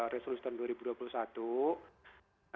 resolusi tahun dua ribu dua puluh satu